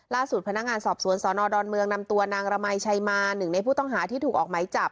พนักงานสอบสวนสนดอนเมืองนำตัวนางระมัยชัยมาหนึ่งในผู้ต้องหาที่ถูกออกไหมจับ